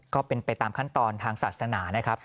ก็เป็นไปตามขั้นตอนทางศาสนานะครับ